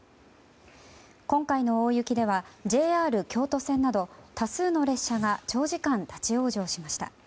今回の大雪ではＪＲ京都線など多数の列車が長時間、立ち往生しました。